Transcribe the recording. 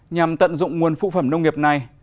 nhằm tận dụng nguồn phụ phẩm nông nghiệp này